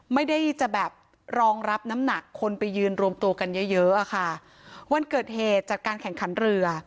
ไม่ได้จะแบบรองรับน้ำหนักคนไปยืนรวมตัวกันเยอะเยอะอะค่ะวันเกิดเหตุจากการแข่งขันเรือ